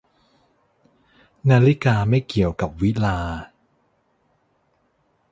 นาฬิกาไม่เกี่ยวกับวิฬาร์